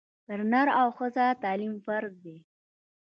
پر نر او ښځه تعلیم فرض دی